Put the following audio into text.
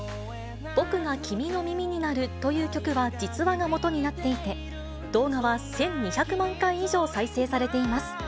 僕が君の耳になるという曲は、実話がもとになっていて、動画は１２００万回以上再生されています。